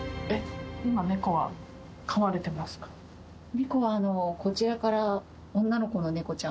猫はこちらから。